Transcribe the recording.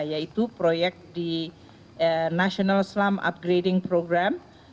yaitu proyek di national slum upgrading program